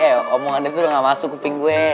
eh omongannya tuh ga masuk ke ping gue